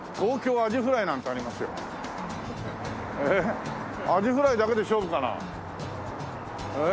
アジフライだけで勝負かな？